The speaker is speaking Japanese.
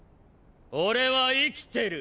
俺は生きてる。